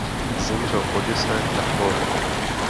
Zemřel v Oděse na choleru.